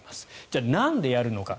じゃあなんでやるのか。